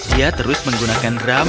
dia terus menggunakan drum